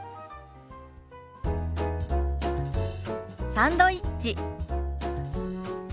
「サンドイッチ」。